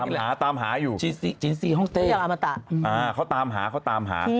หาตามหาอยู่จินซีห้องเต้เขาตามหาเขาตามหา